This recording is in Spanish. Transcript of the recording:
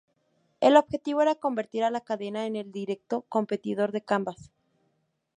El objetivo era convertir a la cadena en el directo competidor de Canvas.